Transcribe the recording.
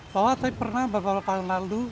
bahwa saya pernah beberapa tahun lalu